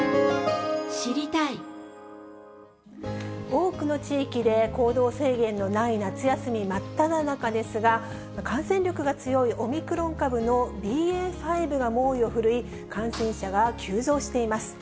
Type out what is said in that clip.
多くの地域で行動制限のない夏休み真っただ中ですが、感染力が強いオミクロン株のＢＡ．５が猛威を振るい、感染者が急増しています。